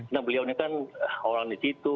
nah beliau ini kan orang di situ